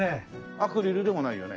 アクリルでもないよね。